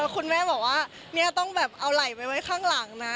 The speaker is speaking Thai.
คุณแม่บอกว่าต้องเอาไหล่ไปข้างหลังนะ